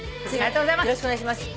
次よろしくお願いします。